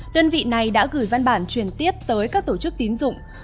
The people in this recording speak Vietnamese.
đơn vị này đã gửi văn bản truyền tiếp tới các tổ chức tín dụng